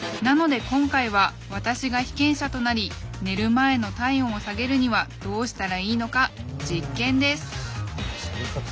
なので今回は私が被験者となり寝る前の体温を下げるにはどうしたらいいのか実験です！